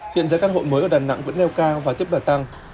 hiện giá các hộ mới ở đà nẵng vẫn leo cao và tiếp đả tăng